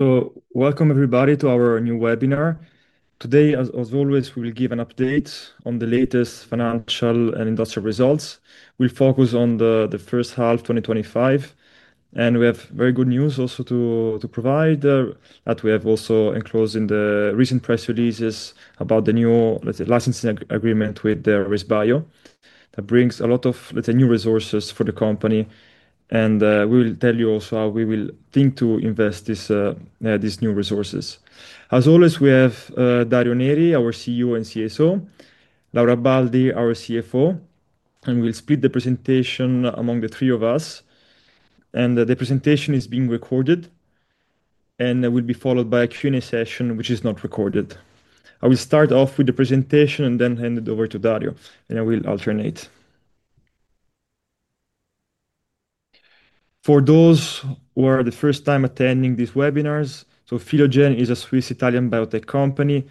Welcome everybody to our new webinar. Today, as always, we will give an update on the latest financial and industrial results. We'll focus on the first half of 2025. We have very good news also to provide, that we have also enclosed in the recent press releases about the new licensing agreement with Racebio. That brings a lot of new resources for the company. We will tell you also how we will think to invest these new resources. As always, we have Dario Neri, our CEO and CSO, Laura Baldi, our CFO. We'll split the presentation among the three of us. The presentation is being recorded. It will be followed by a Q&A session, which is not recorded. I will start off with the presentation and then hand it over to Dario. I will alternate. For those who are the first time attending these webinars, Philogen is a Swiss-Italian biotech company.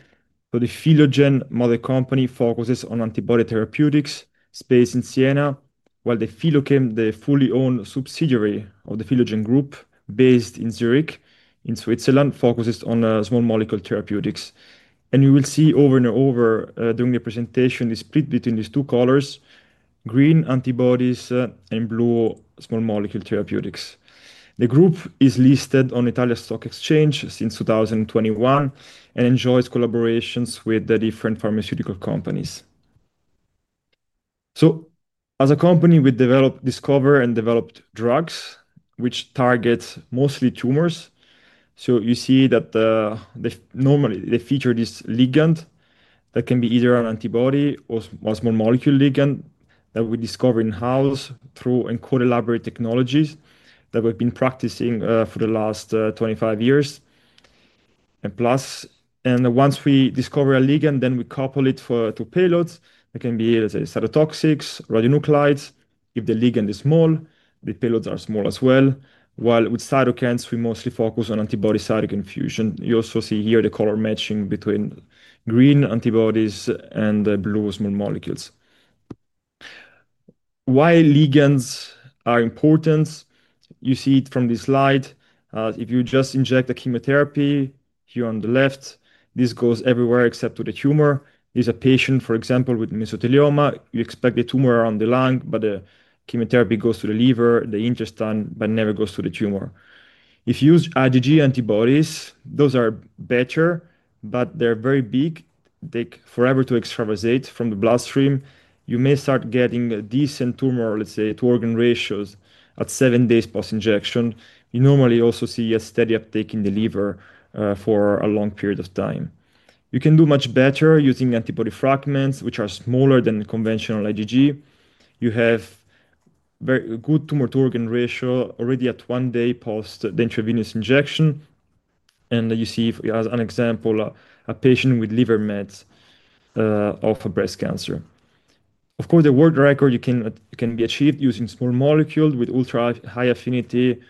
The Philogen mother company focuses on antibody therapeutics based in Siena, while Philochem, the fully owned subsidiary of the Philogen group, based in Zurich in Switzerland, focuses on small molecule therapeutics. You will see over and over during the presentation the split between these two colors: green antibodies and blue small molecule therapeutics. The group is listed on the Italian Stock Exchange since 2021 and enjoys collaborations with different pharmaceutical companies. As a company, we discover and develop drugs which target mostly tumors. You see that normally the feature is ligand. That can be either an antibody or a small molecule ligand that we discover in-house through and co-elaborate technologies that we've been practicing for the last 25 years. Plus, once we discover a ligand, then we couple it to payloads that can be, let's say, cytotoxics, radionuclides. If the ligand is small, the payloads are small as well. While with cytokines, we mostly focus on antibody-cytokine fusion. You also see here the color matching between green antibodies and blue small molecules. Why ligands are important, you see it from this slide. If you just inject a chemotherapy here on the left, this goes everywhere except to the tumor. This is a patient, for example, with mesothelioma. You expect the tumor around the lung, but the chemotherapy goes to the liver, the intestine, but never goes to the tumor. If you use IgG antibodies, those are better, but they're very big. They take forever to extravasate from the bloodstream. You may start getting a decent tumor-to-organ ratio at seven days post-injection. You normally also see a steady uptake in the liver for a long period of time. You can do much better using antibody fragments, which are smaller than conventional IgG. You have a very good tumor-to-organ ratio already at one day post the intravenous injection. You see, as an example, a patient with liver mets of breast cancer. Of course, the world record can be achieved using small molecules with ultra-high affinity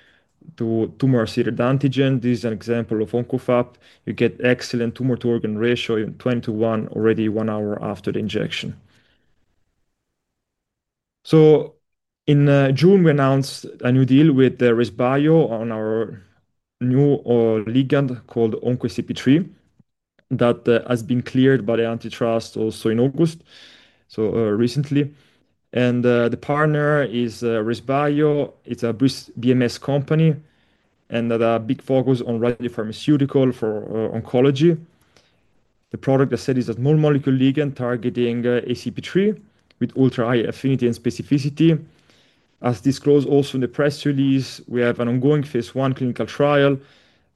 to tumor-associated antigen. This is an example of OncoFAP. You get excellent tumor-to-organ ratio in 20 to 1 already one hour after the injection. In June, we announced a new deal with Racebio on our new ligand called OncoCP3, that has been cleared by the Antitrust also in August, so recently. The partner is Racebio. It's a BMS company with a big focus on radiopharmaceuticals for oncology. The product is a small molecule ligand targeting ACP3 with ultra-high affinity and specificity. As disclosed also in the press release, we have an ongoing phase I clinical trial,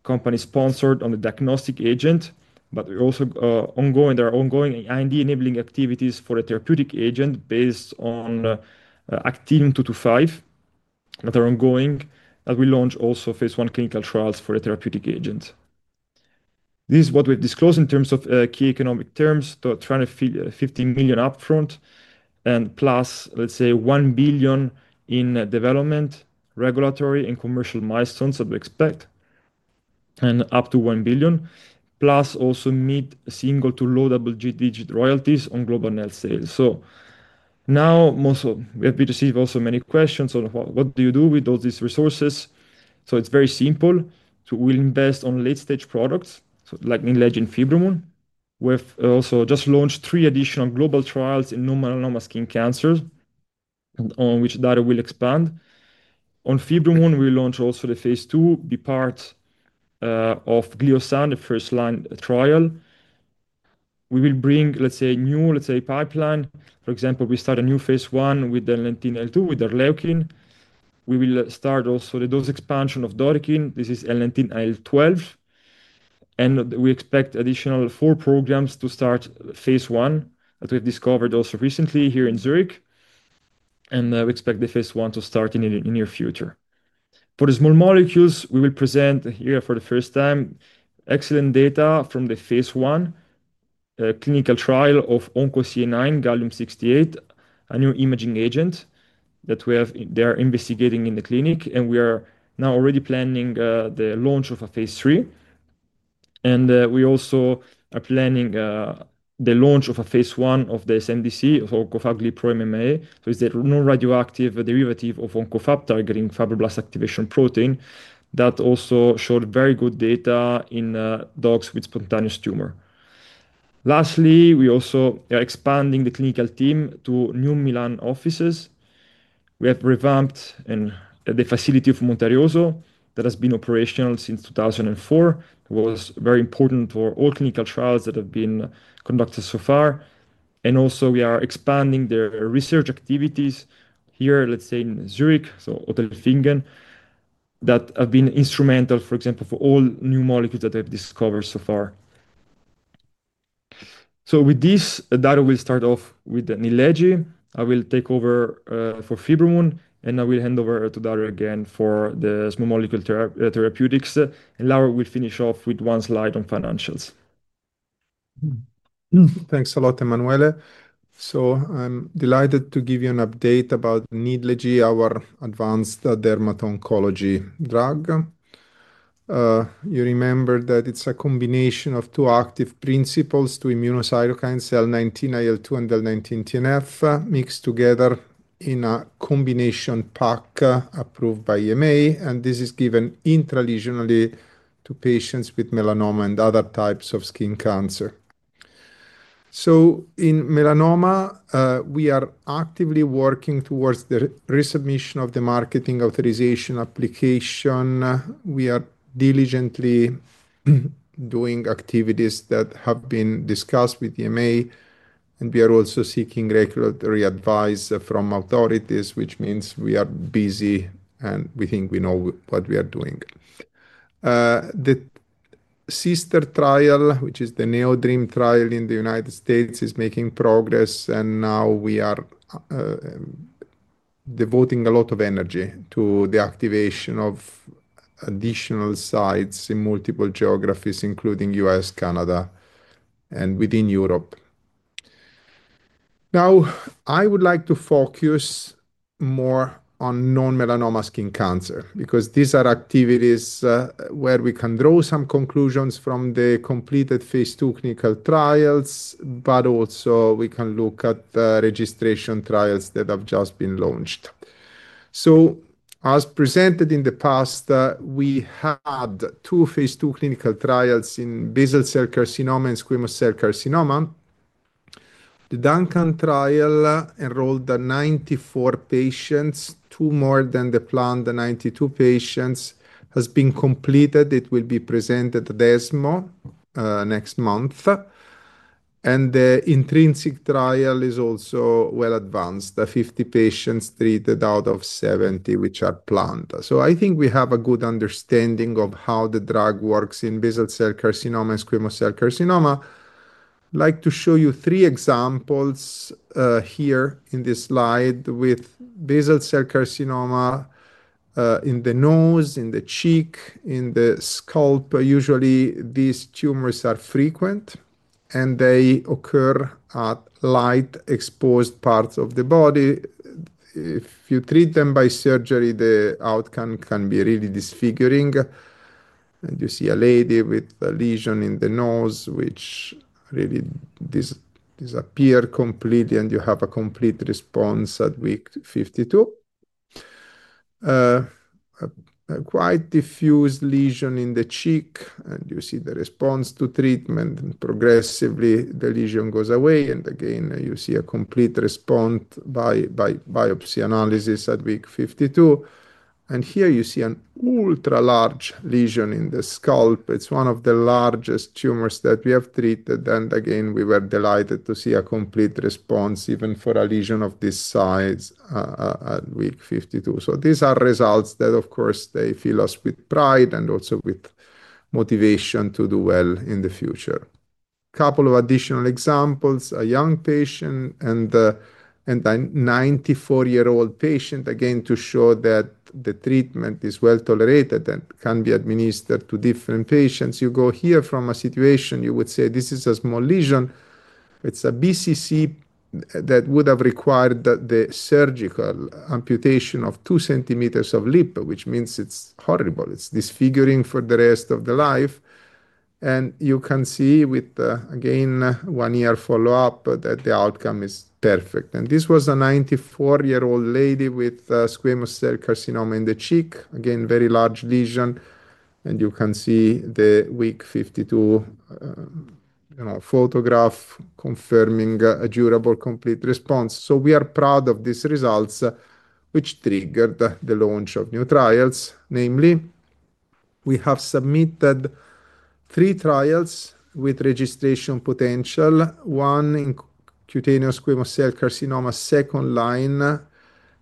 company-sponsored, on the diagnostic agent. There are ongoing IND-enabling activities for a therapeutic agent based on actinium-225 that are ongoing. We launched also phase I clinical trials for a therapeutic agent. This is what we've disclosed in terms of key economic terms: $350 million upfront plus, let's say, $1 billion in development, regulatory, and commercial milestones that we expect, and up to $1 billion. Also, mid-single to low double-digit royalties on global net sales. We have received also many questions on what do you do with all these resources. It's very simple. We'll invest in late-stage products, like Nidlegy and Fibromun. We have also just launched three additional global trials in non-melanoma skin cancers, on which Dario will expand. On Fibromun, we launched also the phase IIb part of Gliosan, the first line trial. We will bring a new pipeline. For example, we start a new phase I with L19IL2 with arleukin. We will start also the dose expansion of Dorikin. This is L19IL12. We expect additional four programs to start phase I that we've discovered also recently here in Zurich. We expect the phase I to start in the near future. For the small molecules, we will present here for the first time excellent data from the phase I clinical trial of OncoCA9, Gallium-68, a new imaging agent that we are investigating in the clinic. We are now already planning the launch of a phase III. We also are planning the launch of a phase I of the SMDC, OncoFAP-GliproMMA. It's the non-radioactive derivative of OncoFAP targeting fibroblast activation protein that also showed very good data in dogs with spontaneous tumor. Lastly, we're also expanding the clinical team to new Milan offices. We have revamped the facility of Monteriggioni that has been operational since 2004. It was very important for all clinical trials that have been conducted so far. We are expanding the research activities here in Zurich, so Otelfingen, that have been instrumental, for example, for all new molecules that they've discovered so far. With this, Dario will start off with Nidlegy. I will take over for Fibromun. I will hand over to Dario again for the small molecule therapeutics. Laura will finish off with one slide on financials. Thanks a lot, Emanuele. I'm delighted to give you an update about Nidlegy, our advanced dermatology drug. You remember that it's a combination of two active principles, two immunocytokines, L19IL2 and L19TNF, mixed together in a combination pack approved by EMA. This is given intralesionally to patients with melanoma and other types of skin cancer. In melanoma, we are actively working towards the resubmission of the marketing authorization application. We are diligently doing activities that have been discussed with EMA. We are also seeking regulatory advice from authorities, which means we are busy and we think we know what we are doing. The sister trial, which is the NeoDream trial in the United States, is making progress. We are devoting a lot of energy to the activation of additional sites in multiple geographies, including the U.S., Canada, and within Europe. I would like to focus more on non-melanoma skin cancer because these are activities where we can draw some conclusions from the completed phase II clinical trials, but also we can look at the registration trials that have just been launched. As presented in the past, we had two phase II clinical trials in basal cell carcinoma and squamous cell carcinoma. The Duncan trial enrolled 94 patients, two more than the planned 92 patients, and has been completed. It will be presented at ESMO next month. The Intrinsic trial is also well advanced, with 50 patients treated out of 70 which are planned. I think we have a good understanding of how the drug works in basal cell carcinoma and squamous cell carcinoma. I'd like to show you three examples here in this slide with basal cell carcinoma in the nose, in the cheek, in the scalp. Usually, these tumors are frequent and they occur at light-exposed parts of the body. If you treat them by surgery, the outcome can be really disfiguring. You see a lady with a lesion in the nose, which really disappears completely, and you have a complete response at week 52. A quite diffuse lesion in the cheek, and you see the response to treatment, and progressively, the lesion goes away. Again, you see a complete response by biopsy analysis at week 52. Here, you see an ultra-large lesion in the scalp. It's one of the largest tumors that we have treated. We were delighted to see a complete response, even for a lesion of this size, at week 52. These are results that, of course, fill us with pride and also with motivation to do well in the future. A couple of additional examples, a young patient and a 94-year-old patient, again, to show that the treatment is well tolerated and can be administered to different patients. You go here from a situation, you would say this is a small lesion. It's a BCC that would have required the surgical amputation of 2 centimeters of lip, which means it's horrible. It's disfiguring for the rest of the life. You can see with, again, one-year follow-up that the outcome is perfect. This was a 94-year-old lady with squamous cell carcinoma in the cheek. Again, very large lesion. You can see the week 52 photograph confirming a durable complete response. We are proud of these results, which triggered the launch of new trials. Namely, we have submitted three trials with registration potential. One in cutaneous squamous cell carcinoma, second line,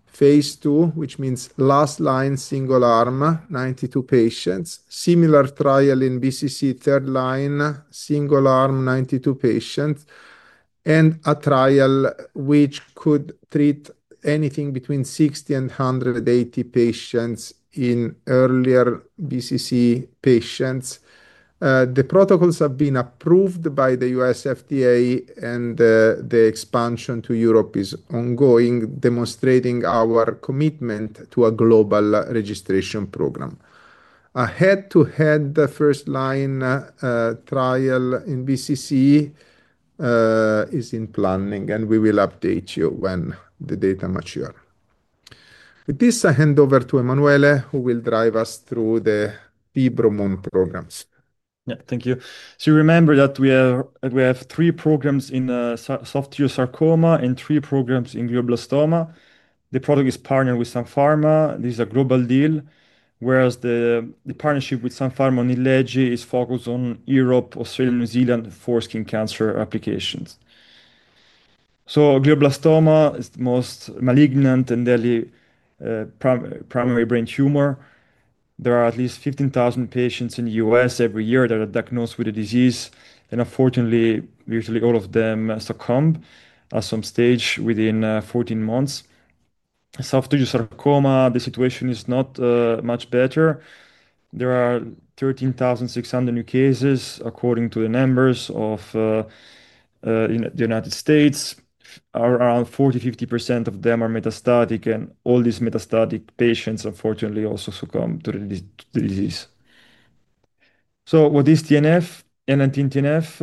phase II, which means last line, single arm, 92 patients. Similar trial in BCC, third line, single arm, 92 patients. A trial which could treat anything between 60 and 180 patients in earlier BCC patients. The protocols have been approved by the U.S. FDA. The expansion to Europe is ongoing, demonstrating our commitment to a global registration program. A head-to-head first line trial in BCC is in planning. We will update you when the data mature. With this, I hand over to Emanuele, who will drive us through the Fibromun programs. Yeah, thank you. You remember that we have three programs in soft tissue sarcoma and three programs in glioblastoma. The product is partnered with Sun Pharma. This is a global deal, whereas the partnership with Sun Pharma Nidlegy is focused on Europe, Australia, and New Zealand for skin cancer applications. Glioblastoma is the most malignant and deadly primary brain tumor. There are at least 15,000 patients in the U.S. every year that are diagnosed with the disease. Unfortunately, virtually all of them succumb at some stage within 14 months. Soft tissue sarcoma, the situation is not much better. There are 13,600 new cases, according to the numbers of the United States. Around 40% to 50% of them are metastatic. All these metastatic patients, unfortunately, also succumb to the disease. What is TNF? Nidlegy TNF,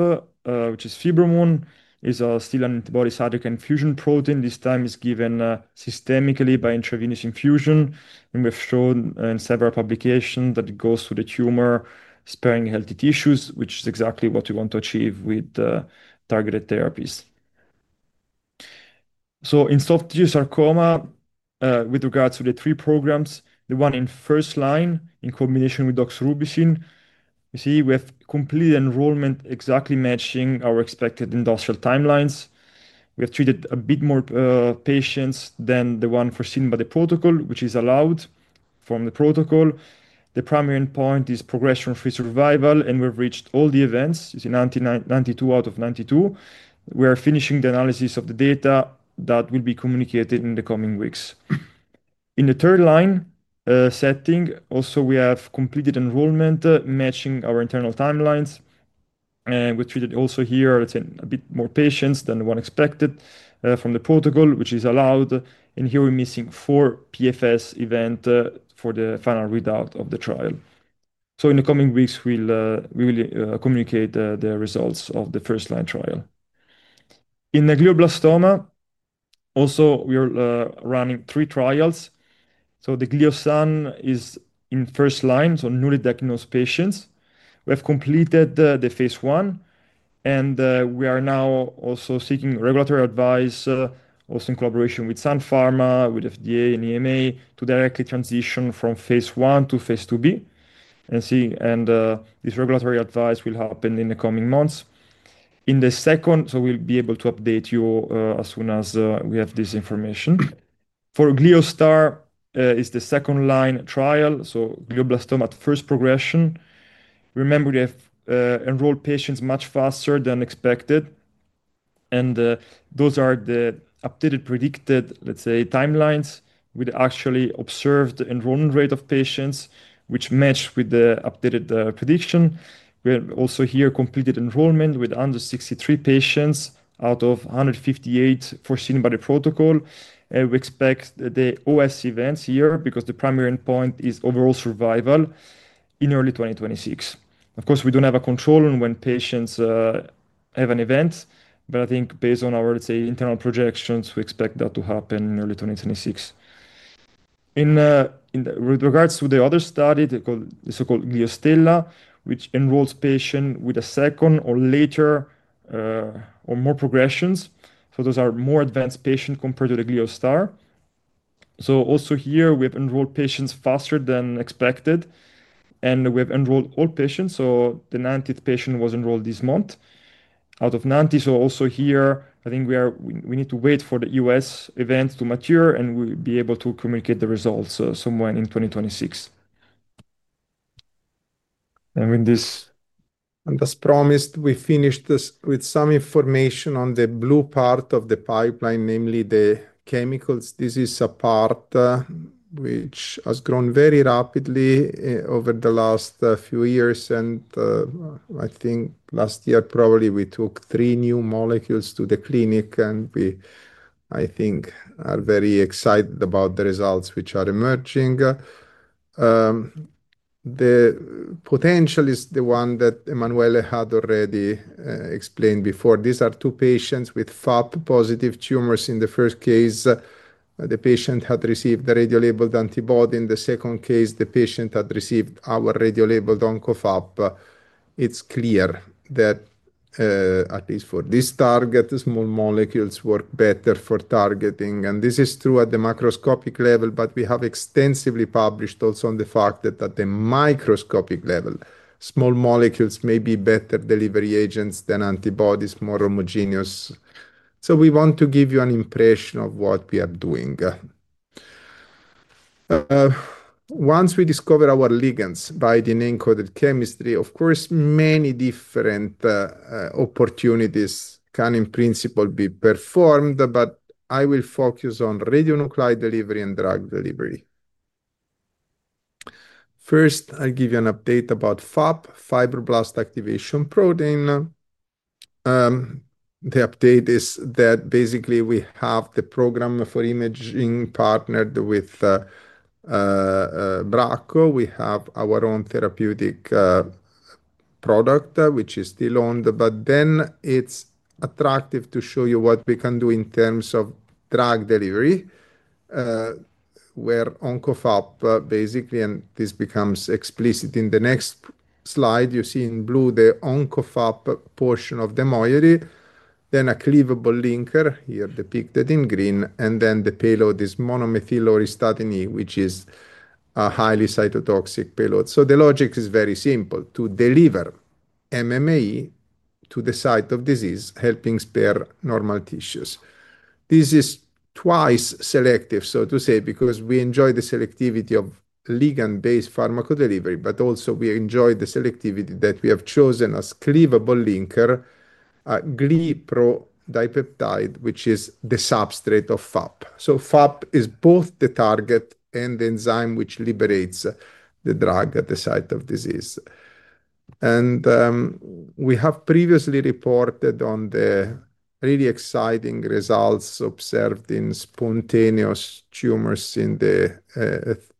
which is Fibromun, is still an antibody cytokine fusion protein. This time it's given systemically by intravenous infusion. We've shown in several publications that it goes through the tumor, sparing healthy tissues, which is exactly what we want to achieve with the targeted therapies. In soft tissue sarcoma, with regards to the three programs, the one in first line, in combination with doxorubicin, we have completed enrollment exactly matching our expected industrial timelines. We have treated a bit more patients than the one foreseen by the protocol, which is allowed from the protocol. The primary endpoint is progression-free survival. We've reached all the events. It's in 92 out of 92. We are finishing the analysis of the data that will be communicated in the coming weeks. In the third line setting, also we have completed enrollment matching our internal timelines. We treated also here a bit more patients than one expected from the protocol, which is allowed. Here we're missing four PFS events for the final readout of the trial. In the coming weeks, we will communicate the results of the first line trial. In glioblastoma, also we are running three trials. The Gliosan is in first line, so newly diagnosed patients. We have completed the phase I. We are now also seeking regulatory advice, also in collaboration with Sun Pharma, with FDA, and EMA, to directly transition from phase I to phase IIb. This regulatory advice will happen in the coming months. We will be able to update you as soon as we have this information. For Gliostar, it's the second line trial, so glioblastoma at first progression. Remember, we have enrolled patients much faster than expected. Those are the updated predicted, let's say, timelines with actually observed enrollment rate of patients, which match with the updated prediction. We have also here completed enrollment with 163 patients out of 158 foreseen by the protocol. We expect the OS events here, because the primary endpoint is overall survival, in early 2026. Of course, we don't have a control on when patients have an event. I think based on our, let's say, internal projections, we expect that to happen in early 2026. With regards to the other study, the so-called Gliostella, which enrolls patients with a second or later or more progressions, those are more advanced patients compared to the Gliostar. Also here, we have enrolled patients faster than expected. We have enrolled all patients, so the 90th patient was enrolled this month out of 90. I think we need to wait for the OS events to mature, and we'll be able to communicate the results somewhere in 2026. With this, and as promised, we finish this with some information on the blue part of the pipeline, namely the chemicals. This is a part which has grown very rapidly over the last few years. I think last year, probably we took three new molecules to the clinic. We, I think, are very excited about the results which are emerging. The potential is the one that Emanuele had already explained before. These are two patients with FAP-positive tumors. In the first case, the patient had received the radiolabeled antibody. In the second case, the patient had received our radiolabeled OncoFAP. It's clear that, at least for this target, small molecules work better for targeting. This is true at the macroscopic level. We have extensively published also on the fact that at the microscopic level, small molecules may be better delivery agents than antibodies, more homogeneous. We want to give you an impression of what we are doing. Once we discover our ligands by the encoded chemistry, many different opportunities can, in principle, be performed. I will focus on radionuclide delivery and drug delivery. First, I'll give you an update about FAP, fibroblast activation protein. The update is that basically we have the program for imaging partnered with Bracco. We have our own therapeutic product, which is still owned. It's attractive to show you what we can do in terms of drug delivery, where OncoFAP basically, and this becomes explicit in the next slide, you see in blue the OncoFAP portion of the moiety, then a cleavable linker here depicted in green. The payload is monomethyl auristatin E, which is a highly cytotoxic payload. The logic is very simple: to deliver MMAE to the site of disease, helping spare normal tissues. This is twice selective, so to say, because we enjoy the selectivity of ligand-based pharmacodelivery. We also enjoy the selectivity that we have chosen as cleavable linker GliproMMA, which is the substrate of FAP. FAP is both the target and the enzyme which liberates the drug at the site of disease. We have previously reported on the really exciting results observed in spontaneous tumors in the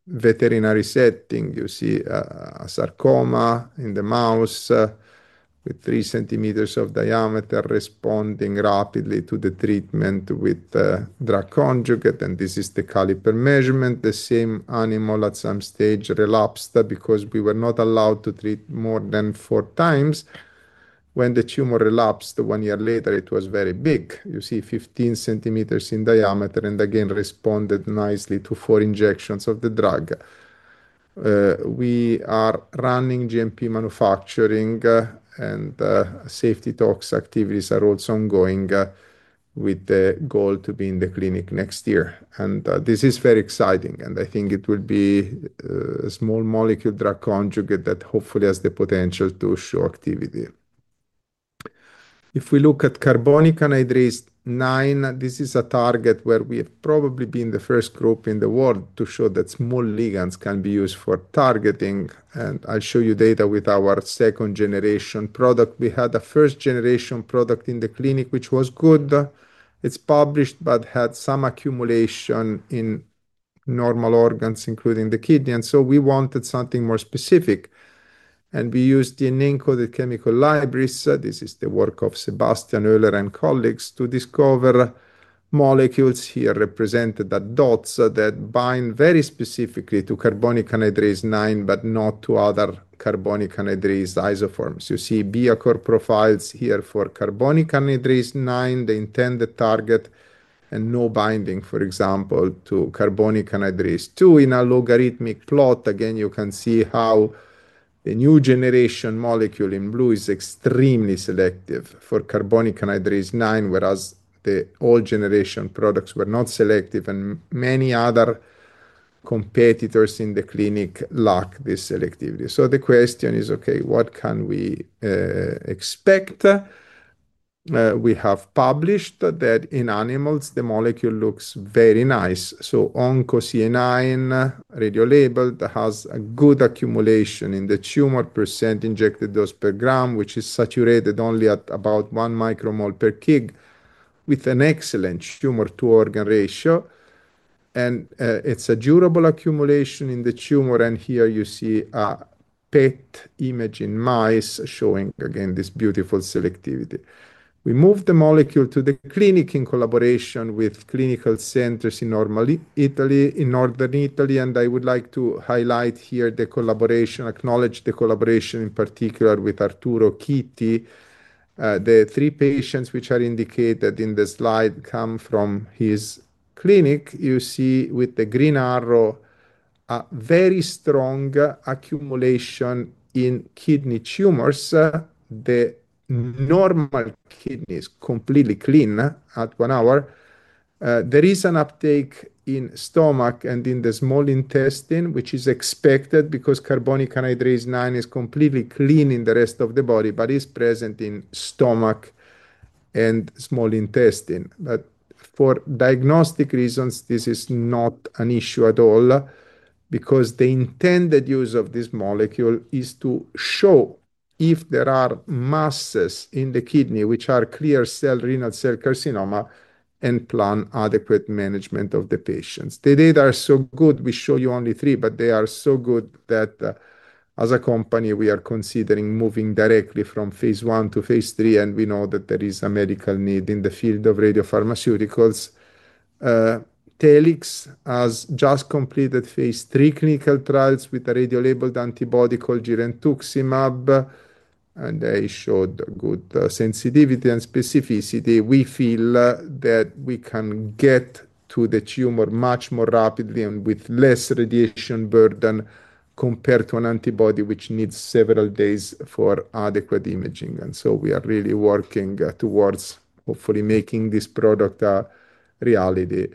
veterinary setting. You see a sarcoma in the mouse with 3 centimeters of diameter responding rapidly to the treatment with drug conjugate. This is the caliper measurement. The same animal at some stage relapsed because we were not allowed to treat more than four times. When the tumor relapsed one year later, it was very big. You see 15 centimeters in diameter and again responded nicely to four injections of the drug. We are running GMP manufacturing. Safety tox activities are also ongoing with the goal to be in the clinic next year. This is very exciting. I think it will be a small molecule drug conjugate that hopefully has the potential to show activity. If we look at carbonic anhydrase 9, this is a target where we have probably been the first group in the world to show that small ligands can be used for targeting. I'll show you data with our second-generation product. We had a first-generation product in the clinic, which was good. It's published but had some accumulation in normal organs, including the kidney. We wanted something more specific. We used the encoded chemical libraries. This is the work of Sebastian Euler and colleagues to discover molecules here represented as dots that bind very specifically to carbonic anhydrase 9, but not to other carbonic anhydrase isoforms. You see BIACORE profiles here for carbonic anhydrase 9, the intended target, and no binding, for example, to carbonic anhydrase 2 in a logarithmic plot. You can see how the new generation molecule in blue is extremely selective for carbonic anhydrase 9, whereas the old generation products were not selective. Many other competitors in the clinic lack this selectivity. The question is, OK, what can we expect? We have published that in animals, the molecule looks very nice. OncoCA9, radiolabeled, has a good accumulation in the tumor % injected dose per gram, which is saturated only at about 1 micromole per cubic meter, with an excellent tumor-to-organ ratio. It is a durable accumulation in the tumor. Here you see a PET image in mice showing, again, this beautiful selectivity. We moved the molecule to the clinic in collaboration with clinical centers in Northern Italy. I would like to highlight here the collaboration, acknowledge the collaboration in particular with Arturo Chitti. The three patients which are indicated in the slide come from his clinic. You see with the green arrow a very strong accumulation in kidney tumors. The normal kidney is completely clean at one hour. There is an uptake in stomach and in the small intestine, which is expected because carbonic anhydrase 9 is completely clean in the rest of the body, but is present in stomach and small intestine. For diagnostic reasons, this is not an issue at all because the intended use of this molecule is to show if there are masses in the kidney which are clear cell renal cell carcinoma and plan adequate management of the patients. The data are so good. We show you only three, but they are so good that as a company, we are considering moving directly from phase I to phase III. We know that there is a medical need in the field of radiopharmaceuticals. Telix has just completed phase III clinical trials with a radiolabeled antibody called Girentuximab. They showed good sensitivity and specificity. We feel that we can get to the tumor much more rapidly and with less radiation burden compared to an antibody which needs several days for adequate imaging. We are really working towards hopefully making this product a reality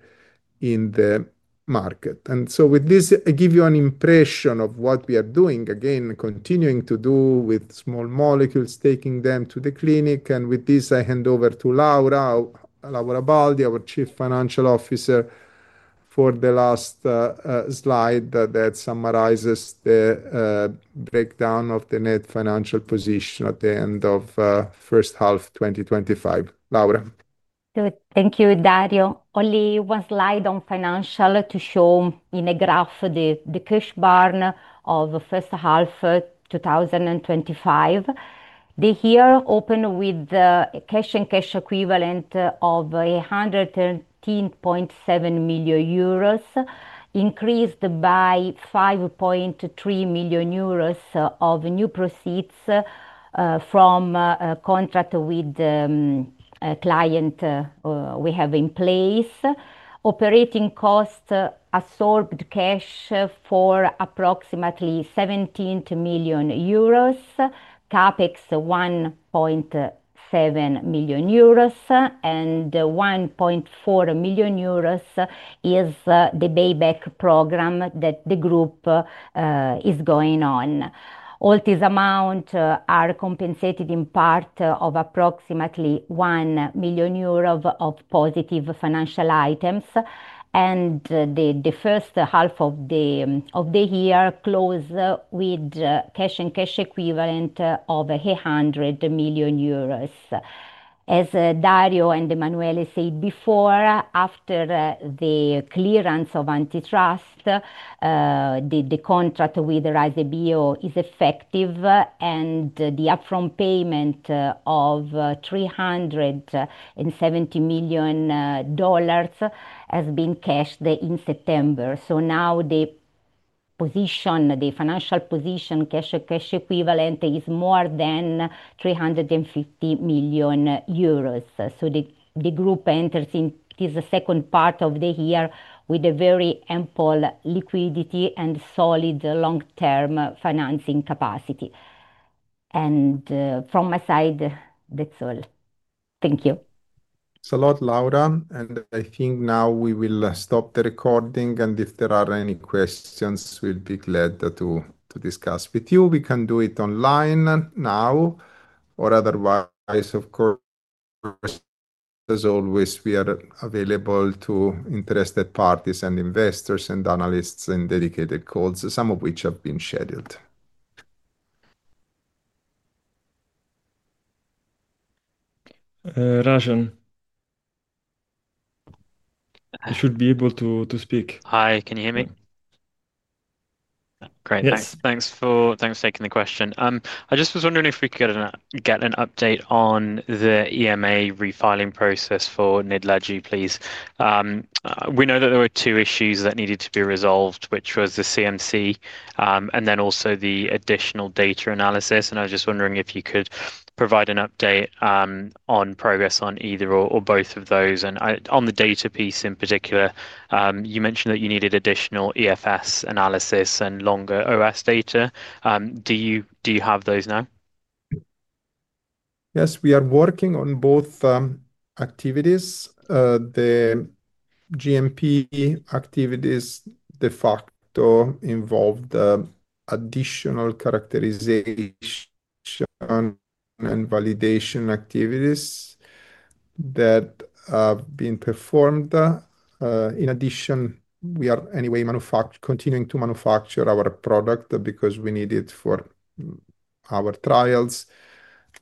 in the market. With this, I give you an impression of what we are doing, again, continuing to do with small molecules, taking them to the clinic. With this, I hand over to Laura, Laura Baldi, our Chief Financial Officer, for the last slide that summarizes the breakdown of the net financial position at the end of first half 2025. Laura. Thank you, Dario. Only one slide on financial to show in a graph the cash burn of first half 2025. The year opened with a cash and cash equivalent of €110.7 million, increased by €5.3 million of new proceeds from a contract with a client we have in place. Operating costs absorbed cash for approximately €17 million, CapEx €1.7 million, and €1.4 million is the payback program that the group is going on. All these amounts are compensated in part of approximately €1 million of positive financial items. The first half of the year closed with cash and cash equivalent of €100 million. As Dario and Emanuele said before, after the clearance of Antitrust, the contract with Racebio is effective. The upfront payment of $370 million has been cashed in September. Now the financial position, cash and cash equivalent, is more than €350 million. The group enters in this second part of the year with a very ample liquidity and solid long-term financing capacity. From my side, that's all. Thank you. Thanks a lot, Laura. I think now we will stop the recording. If there are any questions, we'll be glad to discuss with you. We can do it online now, or otherwise, of course, as always, we are available to interested parties and investors and analysts in dedicated calls, some of which have been scheduled. Rajan. I should be able to speak. Hi. Can you hear me? Great. Thanks. Thanks for taking the question. I just was wondering if we could get an update on the EMA refiling process for Nidlegy, please. We know that there were two issues that needed to be resolved, which was the CMC and then also the additional data analysis. I was just wondering if you could provide an update on progress on either or both of those. On the data piece in particular, you mentioned that you needed additional EFS analysis and longer OS data. Do you have those now? Yes, we are working on both activities. The GMP activities de facto involved additional characterization and validation activities that have been performed. In addition, we are anyway continuing to manufacture our product because we need it for our trials.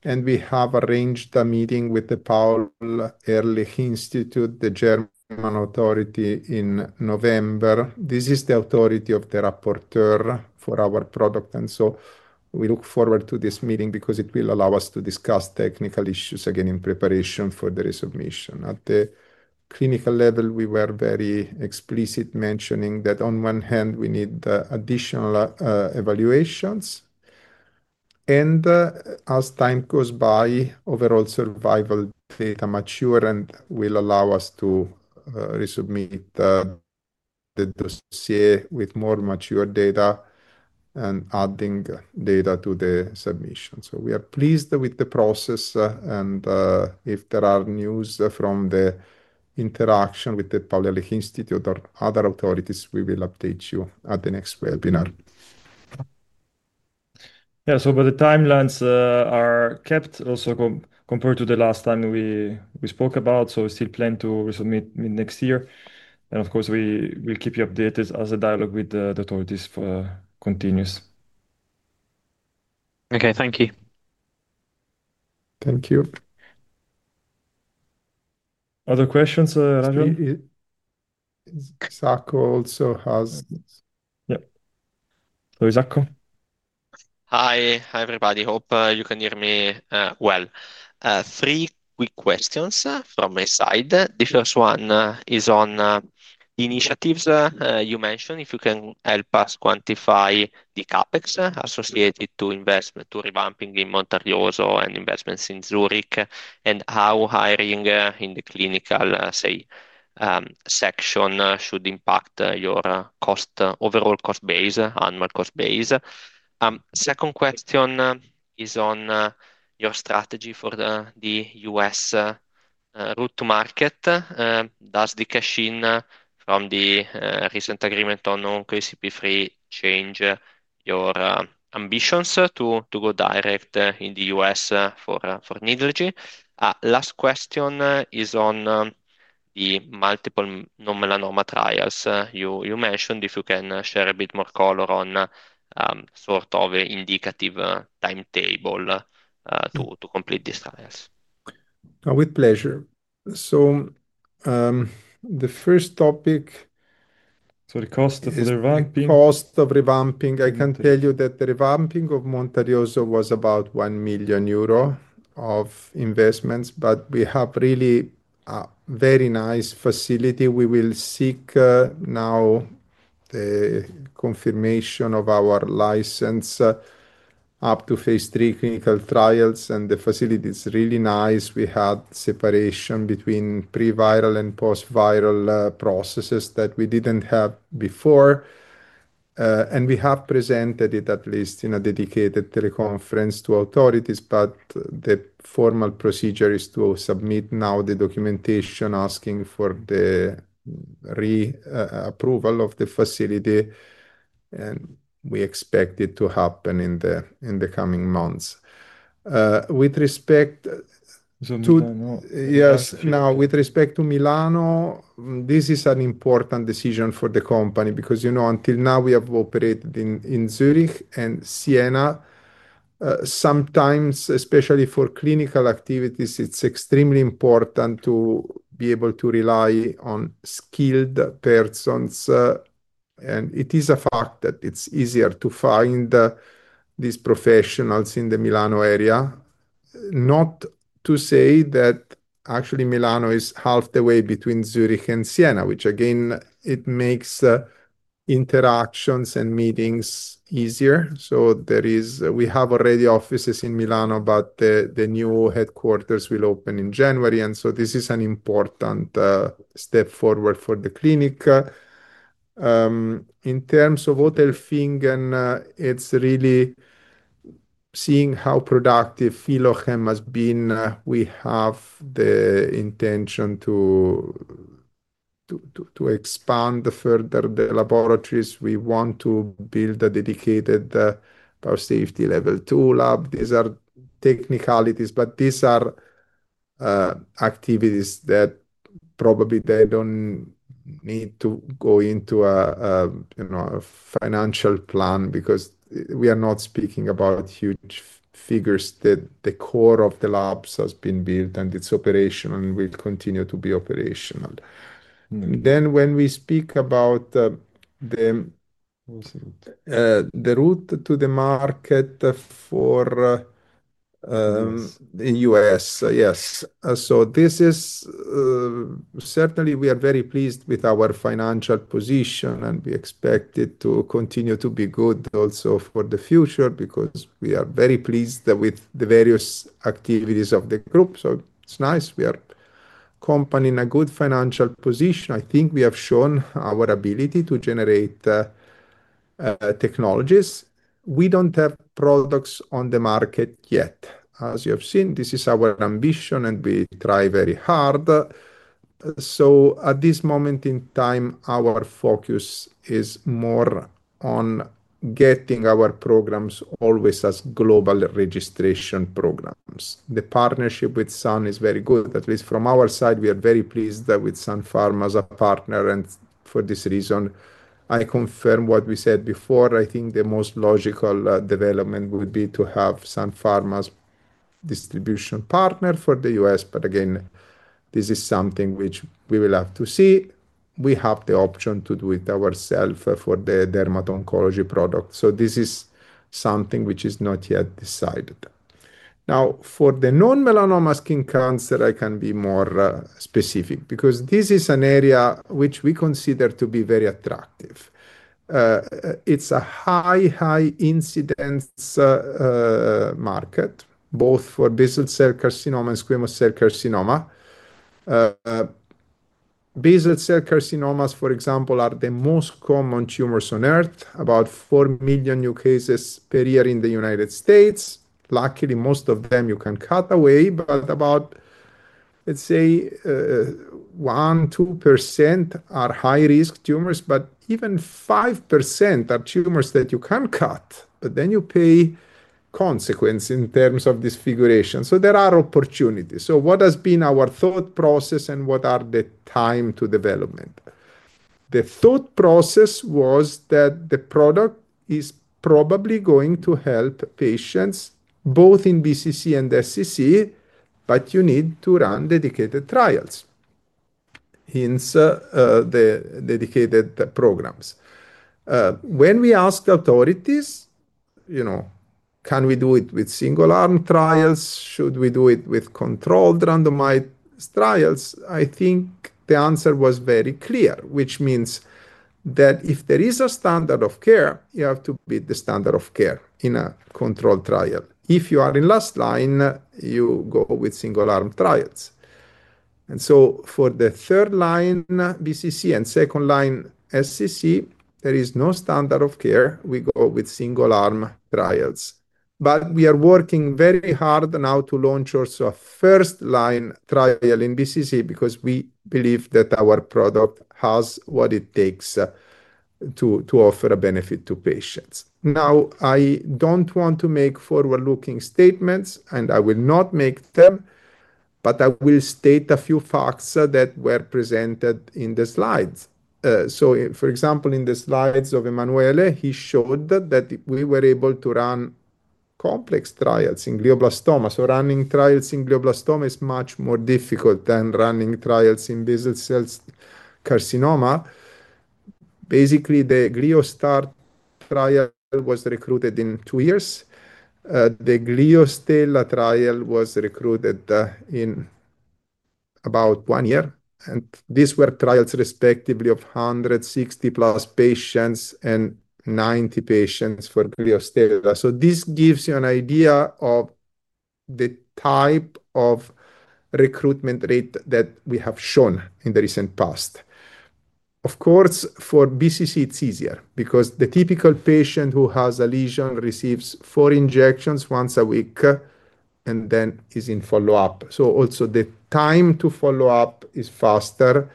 We have arranged a meeting with the Paul-Ehrlich Institute, the German authority, in November. This is the authority of the rapporteur for our product. We look forward to this meeting because it will allow us to discuss technical issues again in preparation for the resubmission. At the clinical level, we were very explicit mentioning that on one hand, we need additional evaluations. As time goes by, overall survival data matures and will allow us to resubmit the dossier with more mature data and adding data to the submission. We are pleased with the process. If there are news from the interaction with the Paul-Ehrlich Institute or other authorities, we will update you at the next webinar. Yeah, the timelines are kept also compared to the last time we spoke about. We still plan to resubmit mid-next year. Of course, we will keep you updated as the dialogue with the authorities continues. OK, thank you. Thank you. Other questions, Rajan? Zacco also has this. Yeah. Hi, Zacco. Hi, everybody. Hope you can hear me well. Three quick questions from my side. The first one is on the initiatives you mentioned, if you can help us quantify the CapEx associated to investment, to revamping in Monteriggioni and investments in Zurich, and how hiring in the clinical section should impact your overall cost base, annual cost base. Second question is on your strategy for the U.S. route to market. Does the cash in from the recent agreement on OncoCP3 change your ambitions to go direct in the U.S. for Nidlegy? Last question is on the multiple non-melanoma trials you mentioned, if you can share a bit more color on sort of indicative timetable to complete these trials. With pleasure. The first topic. The cost of the revamping. Cost of revamping. I can tell you that the revamping of Monteriggioni was about €1 million of investments. We have really a very nice facility. We will seek now the confirmation of our license up to phase III clinical trials. The facility is really nice. We had separation between pre-viral and post-viral processes that we didn't have before. We have presented it at least in a dedicated teleconference to authorities. The formal procedure is to submit now the documentation asking for the re-approval of the facility. We expect it to happen in the coming months. With respect to. So Milano. Yes. Now, with respect to Milan, this is an important decision for the company because you know until now, we have operated in Zurich and Siena. Sometimes, especially for clinical activities, it's extremely important to be able to rely on skilled persons. It is a fact that it's easier to find these professionals in the Milan area. Not to say that actually Milan is halfway between Zurich and Siena, which again, makes interactions and meetings easier. We have already offices in Milan, but the new headquarters will open in January. This is an important step forward for the clinic. In terms of Otelfingen, it's really seeing how productive Philogen has been. We have the intention to expand further the laboratories. We want to build a dedicated biosafety level two lab. These are technicalities, but these are activities that probably don't need to go into a financial plan because we are not speaking about huge figures. The core of the labs has been built and it's operational and will continue to be operational. When we speak about the route to the market for the U.S., yes, this is certainly, we are very pleased with our financial position. We expect it to continue to be good also for the future because we are very pleased with the various activities of the group. It's nice. We are a company in a good financial position. I think we have shown our ability to generate technologies. We don't have products on the market yet. As you have seen, this is our ambition and we try very hard. At this moment in time, our focus is more on getting our programs always as global registration programs. The partnership with Sun Pharma is very good. At least from our side, we are very pleased with Sun Pharma as a partner. For this reason, I confirm what we said before. I think the most logical development would be to have Sun Pharma as a distribution partner for the U.S. Again, this is something which we will have to see. We have the option to do it ourselves for the dermatology product. This is something which is not yet decided. Now, for the non-melanoma skin cancer, I can be more specific because this is an area which we consider to be very attractive. It's a high, high incidence market, both for basal cell carcinoma and squamous cell carcinoma. Basal cell carcinomas, for example, are the most common tumors on Earth, about 4 million new cases per year in the United States. Luckily, most of them you can cut away. About, let's say, 1% to 2% are high-risk tumors. Even 5% are tumors that you can cut, but then you pay consequence in terms of disfiguration. There are opportunities. What has been our thought process and what are the time to development? The thought process was that the product is probably going to help patients both in BCC and SCC, but you need to run dedicated trials, hence the dedicated programs. When we asked authorities, you know, can we do it with single-arm trials? Should we do it with controlled randomized trials? I think the answer was very clear, which means that if there is a standard of care, you have to be the standard of care in a controlled trial. If you are in last line, you go with single-arm trials. For the third line BCC and second line SCC, there is no standard of care. We go with single-arm trials. We are working very hard now to launch also a first-line trial in BCC because we believe that our product has what it takes to offer a benefit to patients. I don't want to make forward-looking statements, and I will not make them. I will state a few facts that were presented in the slides. For example, in the slides of Emanuele, he showed that we were able to run complex trials in glioblastoma. Running trials in glioblastoma is much more difficult than running trials in basal cell carcinoma. Basically, the Gliostar trial was recruited in two years. The Gliostella trial was recruited in about one year. These were trials respectively of 160 plus patients and 90 patients for Gliostella. This gives you an idea of the type of recruitment rate that we have shown in the recent past. Of course, for BCC, it's easier because the typical patient who has a lesion receives four injections once a week and then is in follow-up. Also, the time to follow up is faster.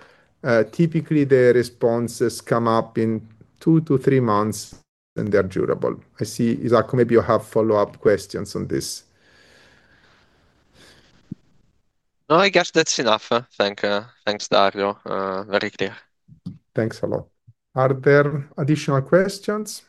Typically, the responses come up in two to three months, and they're durable. I see, Zacco, maybe you have follow-up questions on this. No, I guess that's enough. Thanks, Dario. Very clear. Thanks a lot. Are there additional questions?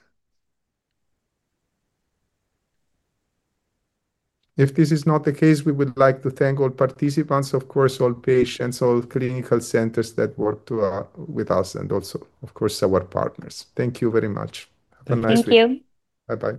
If this is not the case, we would like to thank all participants, of course, all patients, all clinical centers that worked with us, and also, of course, our partners. Thank you very much. Have a nice day. Thank you. Bye-bye.